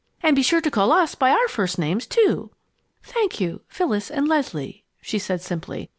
And be sure to call us by our first names, too." "Thank you, Phyllis and Leslie," she said simply.